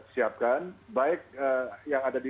siapkan baik yang ada di